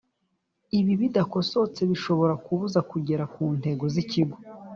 ibi bidakosotse bishobora kubuza kugera ku ntego z’ ikigo